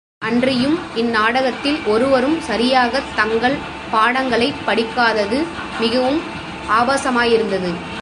அன்றியும், இந்நாடகத்தில் ஒருவரும் சரியாகத் தங்கள் பாடங்களைப் படிக்காதது மிகவும் ஆபாசமாயிருந்தது.